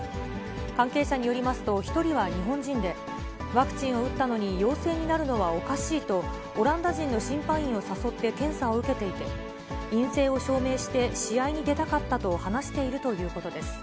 関係者によりますと、１人は日本人で、ワクチンを打ったのに陽性になるのはおかしいと、オランダ人の審判員を誘って検査を受けていて、陰性を証明して試合に出たかったと話しているということです。